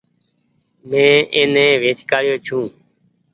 مين ايني ويچ ڪآڙيو ڇون ۔